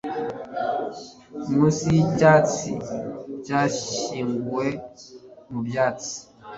Munsi yicyatsi cyashyinguwe mubyatsi